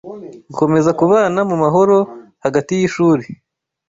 gukomeza kubana mu mahoro hagati yishuri